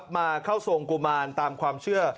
มาเข้าทรงกุมารตามความเชื่อ